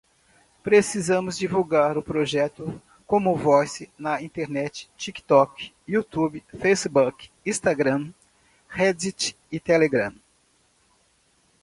Precisamos divulgar o projeto commonvoice na internet, tiktok, youtube, facebook, instagram, reddit, telegram